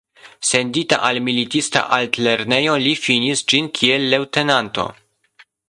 Sendita al militista altlernejo, li finis ĝin kiel leŭtenanto.